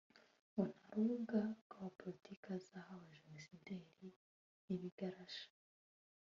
ngo nta rubuga rwa politiki azaha abajenosideri n’ibigarasha